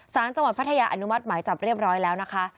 สารจังหวัดพัทยาอนุมัติหมายจับเรียบร้อยแล้วนะคะ